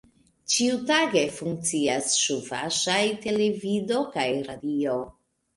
Ĉiutage funkcias ĉuvaŝaj televido kaj radio.